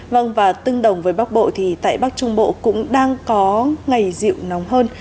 vâng và tương đồng với bắc bộ thì tại bắc trung bộ cũng đang có ngày dịu nóng hơn